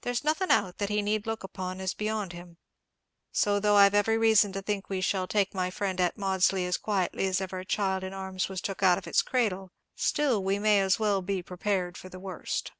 There's nothing out that he need look upon as beyond him. So, though I've every reason to think we shall take my friend at Maudesley as quietly as ever a child in arms was took out of its cradle, still we may as well be prepared for the worst."